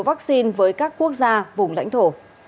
vaccine với các quốc gia vùng lãnh thổ